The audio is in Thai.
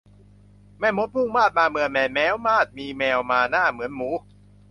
แม่มดมุ่งมาดมาเมืองแมนแม้นมาศมีแมวมาหน้าเหมือนหมู